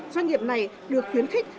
doanh nghiệp này được khuyến khích